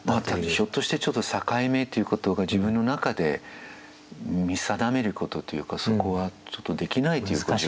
ひょっとしてちょっと境目ということが自分の中で見定めることというかそこはできないという状況にあったと。